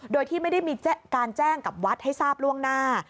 โดยที่ไม่ได้มีการแจ้งกับวัดให้ทราบล่วงหน้า